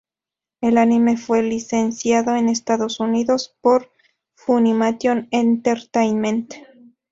El anime fue licenciado en Estados Unidos por Funimation Entertainment.